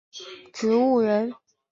这类病患俗称为植物人。